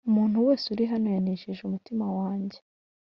Umuntu wese uri hano yanejeje umutima wanjye